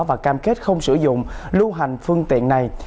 và cam kết không sử dụng lưu hành phương tiện này